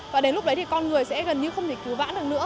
và đến lúc đấy thì con người sẽ gần như không thể cứu vãn được nữa